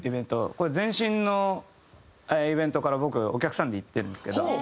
これ前身のイベントから僕お客さんで行ってるんですけど。